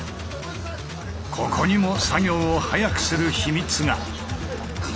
ここにも作業を早くする秘密が！